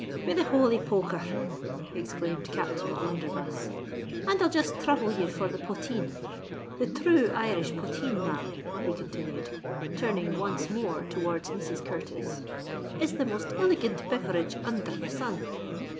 "Be the holy poker r!" exclaimed Captain O'Blunderbuss, "and I'll jist throuble ye for the potheen. The thrue Irish potheen, ma'am," he continued, turning once more towards Mrs. Curtis, "is the most iligant beverage unther the sun.